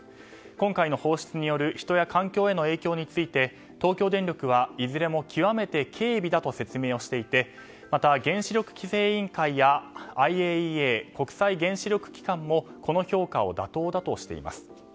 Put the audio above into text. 今回の放出による人や環境への影響について東京電力はいずれも極めて軽微だと説明していてまた、原子力規制委員会やＩＡＥＡ・国際原子力機関もこの評価を妥当だとしています。